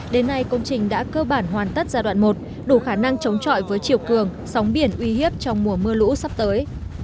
đến nay công trình đã cơ bản hoàn tất giai đoạn một đủ khả năng chống trọi với chiều cường sóng biển uy hiếp trong mùa mưa lũ sắp tới